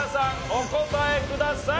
お答えください。